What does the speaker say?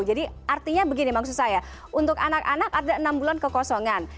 jadi artinya begini maksud saya untuk anak anak ada enam bulan kekosongan